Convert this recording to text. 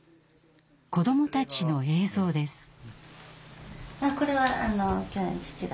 子どもたちの映像です。